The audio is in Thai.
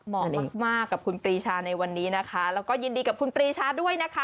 เหมาะมากมากกับคุณปรีชาในวันนี้นะคะแล้วก็ยินดีกับคุณปรีชาด้วยนะคะ